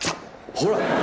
ほら。